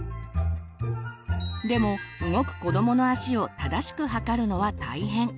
でも動く子どもの足を正しく測るのは大変。